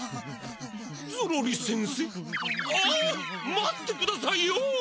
待ってくださいよ！